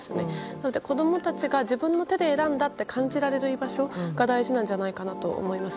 なので子供たちが自分の手で選んだと感じられる居場所が大事なんじゃないかなと思います。